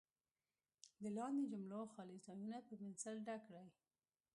د لاندې جملو خالي ځایونه په پنسل ډک کړئ.